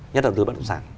nhất đầu tư bất động sản